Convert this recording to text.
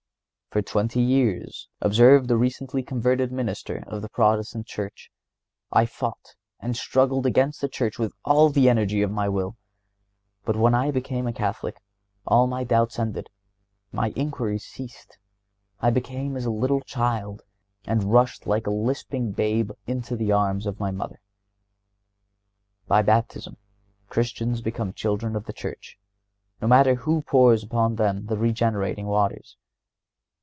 "For twenty years," observed a recently converted Minister of the Protestant Church, "I fought and struggled against the Church with all the energy of my will. But when I became a Catholic all my doubts ended, my inquiries ceased. I became as a little child, and rushed like a lisping babe into the arms of my mother." By Baptism Christians become children of the Church, no matter who pours upon them the regenerating waters.